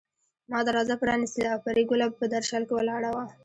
ما دروازه پرانيستله او پري ګله په درشل کې ولاړه وه